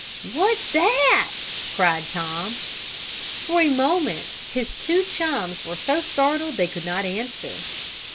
"What's that?" cried Tom. For a moment his two chums were so startled that they could not answer.